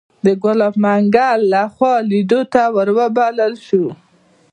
د ګلاب منګل لخوا لیدو ته وبلل شوو.